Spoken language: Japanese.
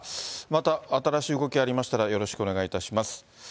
また新しい動きありましたら、よろしくお願いいたします。